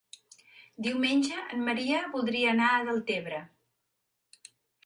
Diumenge en Maria voldria anar a Deltebre.